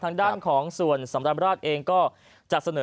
ทางด้านของส่วนสำราญราชเองก็จะเสนอ